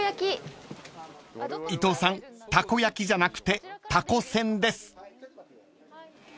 ［伊藤さん「たこ焼き」じゃなくて「たこせん」です］